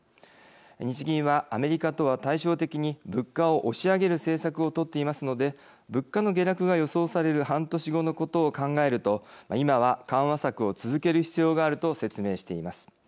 日銀はアメリカとは対照的に物価を押し上げる政策を取っていますので物価の下落が予想される半年後のことを考えると今は緩和策を続ける必要があると説明しています。